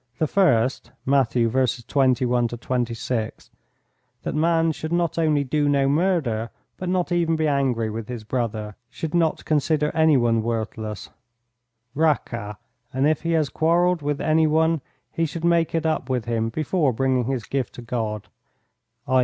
The first (Matt. v. 21 26), that man should not only do no murder, but not even be angry with his brother, should not consider any one worthless: "Raca," and if he has quarrelled with any one he should make it up with him before bringing his gift to God i.